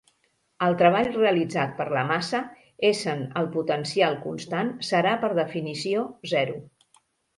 El treball realitzat per la massa, essent el potencial constant, serà, per definició, zero.